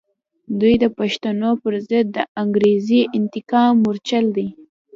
دوی د پښتنو پر ضد د انګریزي انتقام مورچل دی.